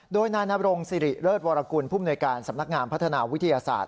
โดยนายนบรงสิริเลิศวรกุลผู้มนวยการสำนักงานพัฒนาวิทยาศาสต